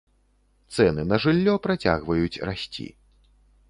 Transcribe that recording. Цэны на жыллё працягваюць расці.